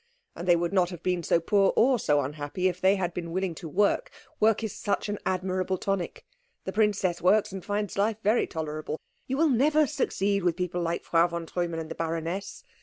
And they would not have been so poor or so unhappy if they had been willing to work. Work is such an admirable tonic. The princess works, and finds life very tolerable. You will never succeed with people like Frau von Treumann and the baroness.